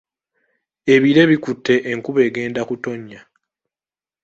Ebire bikute enkuba egenda kutonnya.